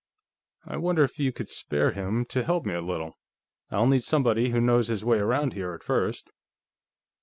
"I wonder if you could spare him to help me a little? I'll need somebody who knows his way around here, at first."